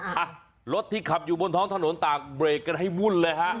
อ่ะรถที่ขับอยู่บนท้องถนนต่างเบรกกันให้วุ่นเลยฮะ